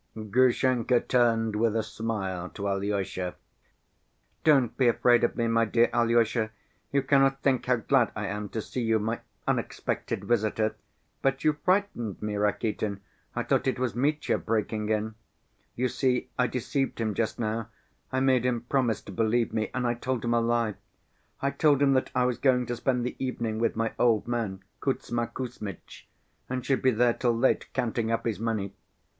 Grushenka turned with a smile to Alyosha. "Don't be afraid of me, my dear Alyosha, you cannot think how glad I am to see you, my unexpected visitor. But you frightened me, Rakitin, I thought it was Mitya breaking in. You see, I deceived him just now, I made him promise to believe me and I told him a lie. I told him that I was going to spend the evening with my old man, Kuzma Kuzmitch, and should be there till late counting up his money.